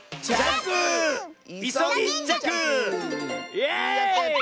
イエーイ！